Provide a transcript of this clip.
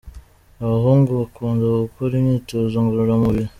Abahungu bakunda gukora imyitozo ngororamubiri.